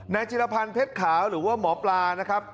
จิรพันธ์เพชรขาวหรือว่าหมอปลานะครับ